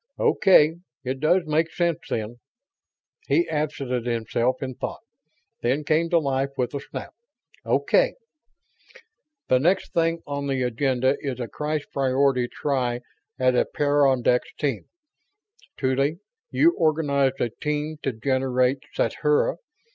"Okay, it does make sense, then." He absented himself in thought, then came to life with a snap. "Okay! The next thing on the agenda is a crash priority try at a peyondix team. Tuly, you organized a team to generate sathura.